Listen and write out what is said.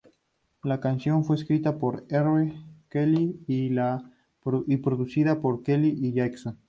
La canción fue escrita por R. Kelly y producida por Kelly y Jackson.